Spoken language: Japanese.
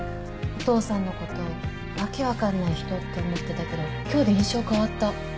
お父さんのこと訳わかんない人って思ってたけど今日で印象変わった。